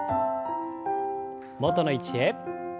元の位置へ。